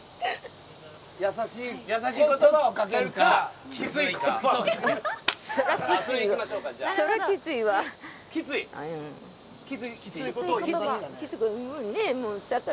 優しい言葉をかけるかきつい言葉をかけるか。